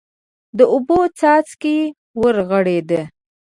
د اوبو څاڅکی ورغړېد.